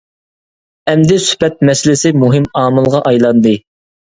ئەمدى سۈپەت مەسىلىسى مۇھىم ئامىلغا ئايلاندى.